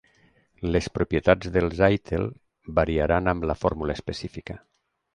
Les propietats del Zytel variaran amb la fórmula específica.